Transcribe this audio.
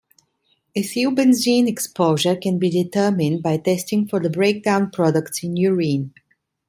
Ethylbenzene exposure can be determined by testing for the breakdown products in urine.